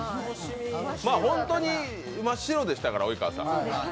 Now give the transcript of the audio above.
本当に真っ白でしたから及川さん。